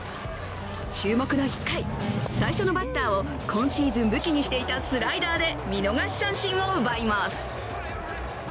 注目の１回、最初のバッターを今シーズン武器にしていたスライダーで見逃し三振を奪います。